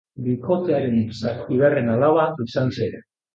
Bikotearen zazpigarren alaba izan zen.